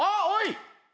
おい！